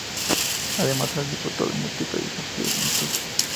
Además, han disputado múltiples partidos amistosos.